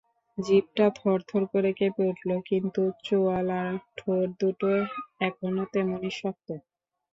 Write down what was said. জিভটা থরথর করে কেঁপে উঠল, কিন্তু চোয়াল আর ঠোঁটদুটো এখনো তেমনি শক্ত।